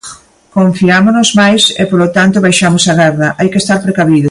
Confiámonos máis e, polo tanto, baixamos a garda, hai que estar precavidos.